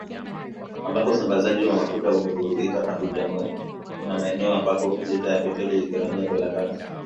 Ambako usambazaji mafuta umevurugika tangu Januari, kuna maeneo ambako lita ya petroli inagharimu dola tatu